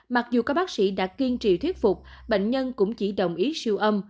mặc dù các bác sĩ đã kiên trì thuyết phục bệnh nhân cũng chỉ đồng ý siêu âm